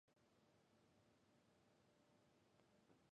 いはじゃじゃおいじぇお。